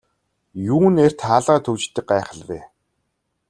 Юун эрт хаалгаа түгждэг гайхал вэ.